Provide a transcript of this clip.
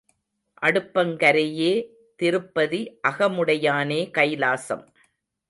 அடுப்பங் கரையே திருப்பதி அகமுடையானே கைலாசம்.